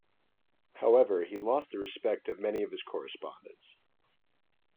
However, he lost the respect of many of his correspondents.